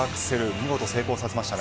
見事成功させました。